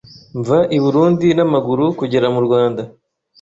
mva I Burundi n’amaguru kugera mu Rwanda